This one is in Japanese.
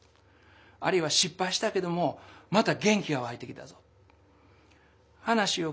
あるいは「しっぱいしたけどもまた元気がわいてきたぞ！」。